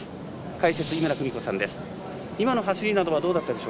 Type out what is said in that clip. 解説、井村久美子さんです。